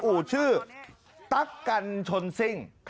อู่ชื่อตั๊กกันชนซิ่ง